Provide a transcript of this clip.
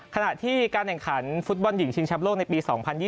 ขณะที่การแข่งขันฟุตบอลหญิงชิงแชมป์โลกในปี๒๐๒๐